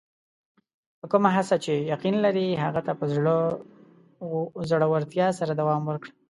په کومه هڅه چې یقین لرې، هغه ته په زړۀ ورتیا سره دوام ورکړه.